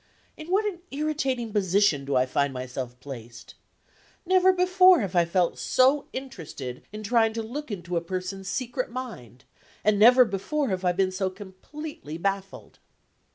In what an irritating position do I find myself placed! Never before have I felt so interested in trying to look into a person's secret mind; and never before have I been so completely baffled.